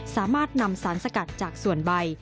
สามารถนำสารสกัดจากส่วนใบ